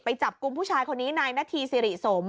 ไปจับกุมผู้ชายคนนี้ในณทีอส